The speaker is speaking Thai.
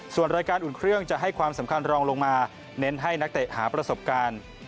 ส่วนรายการอุ่นเครื่องจะให้ความสำคัญรองลงมาเน้นให้นักเตะหาประสบการณ์